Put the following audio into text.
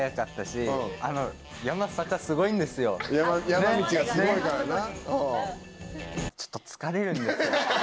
山道がすごいからな。